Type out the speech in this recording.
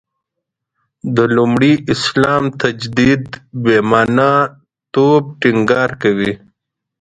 د لومړي اسلام تجدید «بې معنا» توب ټینګار کوي.